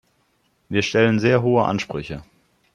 Wir stellen sehr hohe Ansprüche.